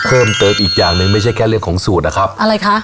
เพิ่มเติมอีกอย่างหนึ่งไม่ใช่แค่เรื่องของสูตรนะครับอะไรคะ